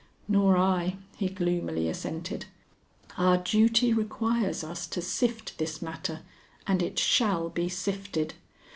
"Nor I," he gloomily assented. "Our duty requires us to sift this matter, and it shall be sifted.